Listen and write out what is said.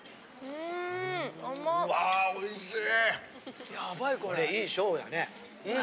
うんおいしい！